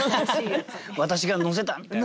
私が載せた！みたいな。